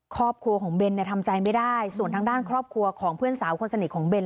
ครอบครัวของเบนเนี่ยทำใจไม่ได้ส่วนทางด้านครอบครัวของเพื่อนสาวคนสนิทของเบน